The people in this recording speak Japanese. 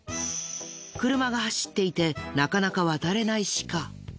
車が走っていてなかなか渡れないシカ。